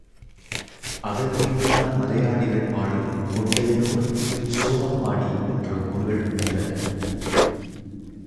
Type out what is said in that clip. அதன்மீது தான் மலையாளிகள் வாழும் கொண்டையனூர், சோனப்பாடி என்ற ஊர்கள் உள்ளன.